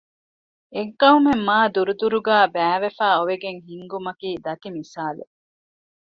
އެއް ޤައުމެއް މާދުރުދުރުގައި ބައިވެފައި އޮވެގެން ހިންގުމަކީ ދަތި މިސާލެއް